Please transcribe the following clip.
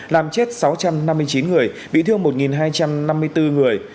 làm chết sáu trăm năm mươi chín người bị thương một hai trăm năm mươi bốn người